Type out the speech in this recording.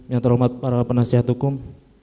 yang terhormat para penasihat hukum